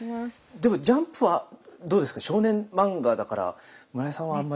でも「ジャンプ」はどうですか少年漫画だから村井さんはあんまり。